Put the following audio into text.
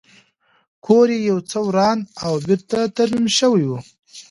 کور یې یو څه وران او بېرته ترمیم شوی و